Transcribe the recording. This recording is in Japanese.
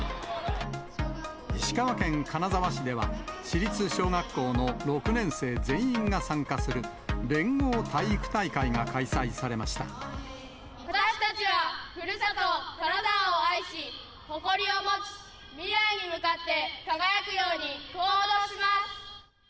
石川県金沢市では、市立小学校の６年生全員が参加する、連合体育大会が開催されまし私たちは、ふるさと金沢を愛し、誇りを持ち、未来に向かって輝くように行動します。